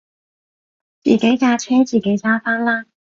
自己架車自己揸返啦